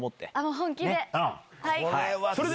本気で。